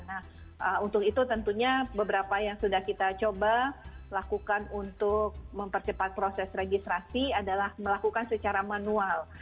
nah untuk itu tentunya beberapa yang sudah kita coba lakukan untuk mempercepat proses registrasi adalah melakukan secara manual